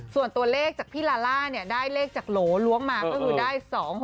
ส่วนตัวเลขจากพี่ลาล่าได้เลขจากโหลล้วงมาก็คือได้๒๖๖